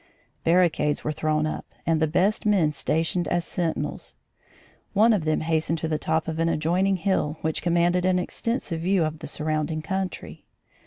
Barricades were thrown up and the best men stationed as sentinels. One of them hastened to the top of an adjoining hill, which commanded an extensive view of the surrounding country.